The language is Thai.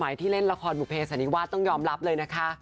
สมัยที่เล่นละครบุพเพศอันนี้ว่าต้องยอมรับเลยนะคะ